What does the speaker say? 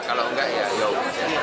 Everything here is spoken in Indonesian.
kalau enggak ya yuk